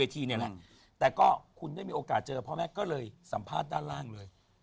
แต่ก็คุณได้มีโอกาสเจอพ่อแม่ก็เลยสัมภาษณ์ด้านล่างเลย